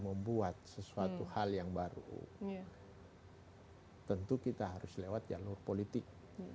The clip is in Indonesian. membuat sesuatu hal yang baru tentu kita harus lewat jalur politik